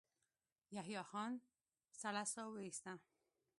يحيی خان سړه سا وايسته.